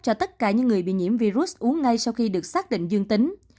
cho tất cả những người bị nhiễm virus uống ngay sau khi được xác định dương tính